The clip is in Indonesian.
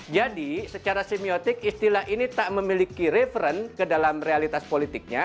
jadi secara semiotik istilah ini tak memiliki referensi ke dalam realitas politiknya